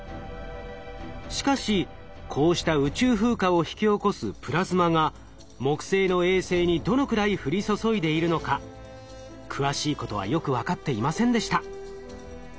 しかしこうした宇宙風化を引き起こすプラズマが木星の衛星にどのくらい降り注いでいるのか詳しいことはよく分かっていませんでした。